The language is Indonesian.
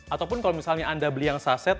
ataupun kalau misalnya anda beli yang saset